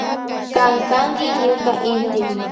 Kan kanki ñuka inti.